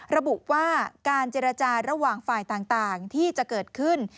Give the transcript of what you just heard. ระบุว่าการเจรจาระหว่างฝ่ายต่างที่จะเกิดขึ้น